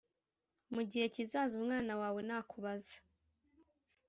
Mu gihe kizaza umwana wawe nakubaza